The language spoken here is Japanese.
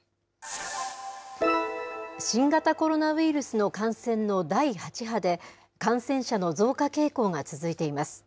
新型コロナウイルスの感染の第８波で、感染者の増加傾向が続いています。